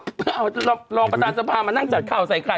เพื่อเอารองประธานสภามานั่งจัดข่าวใส่ไข่